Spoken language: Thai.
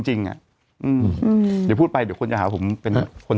มันติดคุกออกไปออกมาได้สองเดือน